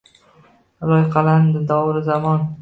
Loyqalandi davru zamon.